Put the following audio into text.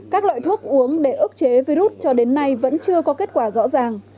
các loại thuốc uống để ức chế virus cho đến nay vẫn chưa có kết quả rõ ràng